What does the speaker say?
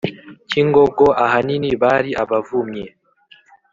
cyingogo, ahanini bari abavumyi.